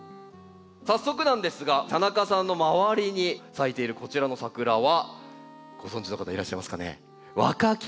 早速なんですが田中さんの周りに咲いているこちらのサクラはご存じの方いらっしゃいますかね？